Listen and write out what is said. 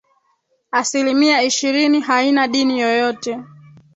Asilimia ishirini haina dini yoyote